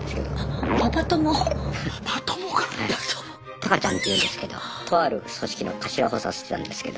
タカちゃんっていうんですけどとある組織の頭補佐してたんですけど。